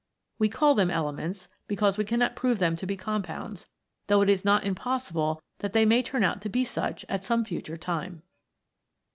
We call them elements because we cannot prove them to be compounds, though it is not impossible that they may turn out to be such at some future time.